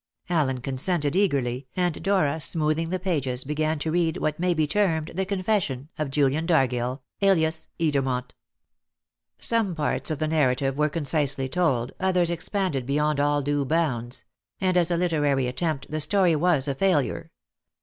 Allen consented eagerly, and Dora, smoothing the pages, began to read what may be termed the confession of Julian Dargill, alias Edermont. Some parts of the narrative were concisely told, others expanded beyond all due bounds; and as a literary attempt the story was a failure.